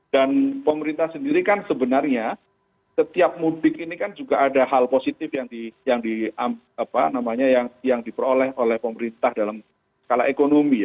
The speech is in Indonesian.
dan pemerintah sendiri kan sebenarnya setiap mudik ini kan juga ada hal positif yang diperoleh oleh pemerintah dalam skala ekonomi